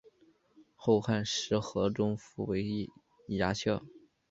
后汉时河中府为牙校。